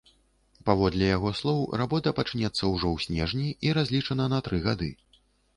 Паводле яго слоў, работа пачнецца ўжо ў снежні і разлічана на тры гады.